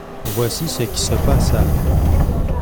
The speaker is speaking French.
Voici ce qui se passa.